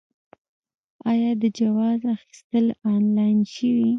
آیا د جواز اخیستل آنلاین شوي؟